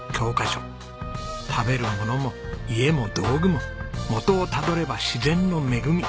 食べるものも家も道具ももとをたどれば自然の恵み。